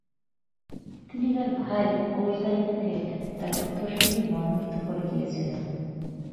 তিনি তার ভাই ওলজাইতুকে তার উত্তরসূরি মনোনীত করে গিয়েছিলেন।